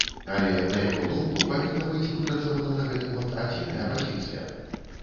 Але, на яго думку, павінна быць выпрацавана на гэты конт адзіная пазіцыя.